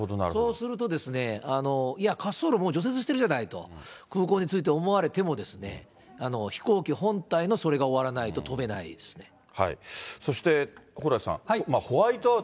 そうすると、いや、滑走路もう除雪してるじゃないと、空港に着いて思われてもですね、飛行機本体のそれが終わらないと、飛べないですね。